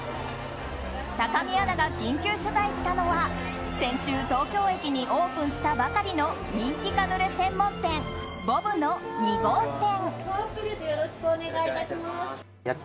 高見アナが緊急取材したのは先週、東京駅にオープンしたばかりの人気カヌレ専門店ｂｏＢの２号店。